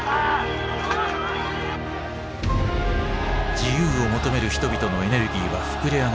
自由を求める人々のエネルギーは膨れあがり